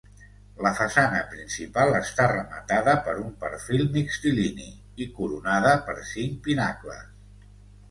La façana principal està rematada per un perfil mixtilini, i coronada per cinc pinacles.